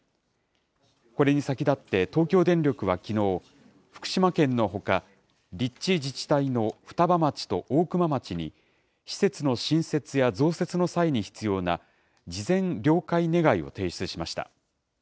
これに先立って東京電力はきのう、福島県のほか、立地自治体の双葉町と大熊町に、施設の新設や増設の際に必要な、事前了解願いを提出しました。